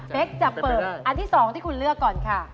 จะเปิดอันที่๒ที่คุณเลือกก่อนค่ะ